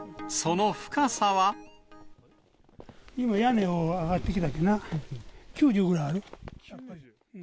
今、屋根を上がってきたでな、９０ぐらいある。